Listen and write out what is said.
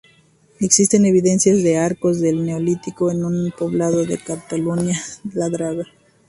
Existen evidencias de arcos del Neolítico en un poblado de Cataluña, La Draga.